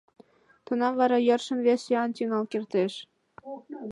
Тунам вара йӧршын вес сӱан тӱҥал кертеш.